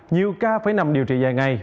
nhiều ca phải nằm điều trị dài ngày